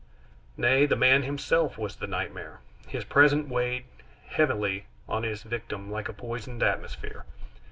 Nay, the man himself was the nightmare; his presence weighed heavily on his victim like a poisoned atmosphere.